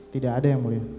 tidak ada ya muridnya